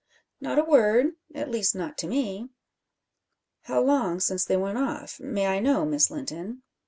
"Not a word at least not to me." "How long since they went off may I know, Miss Linton?"